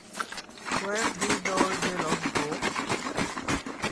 Where Did All the Love Go?